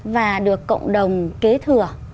và được cộng đồng kế thừa